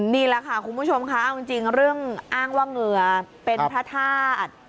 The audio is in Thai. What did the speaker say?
นี่แหละค่ะคุณผู้ชมค่ะเอาจริงเรื่องอ้างว่าเหงื่อเป็นพระธาตุ